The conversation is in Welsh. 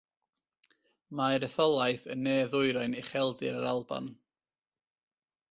Mae'r etholaeth yn ne-ddwyrain Ucheldir yr Alban.